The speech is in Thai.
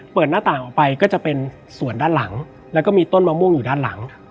เปิดหน้าต่างออกไปก็จะเป็นส่วนด้านหลังแล้วก็มีต้นมะม่วงอยู่ด้านหลัง